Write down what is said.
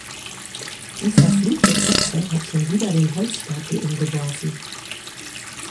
Die verfluchte Katze hat schon wieder den Holzstapel umgeworfen!